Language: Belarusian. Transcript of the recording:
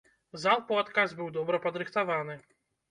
Залп у адказ быў добра падрыхтаваны.